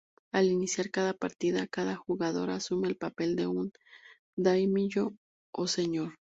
Al iniciar cada partida, cada jugador asume el papel de un Daimyo o Señor.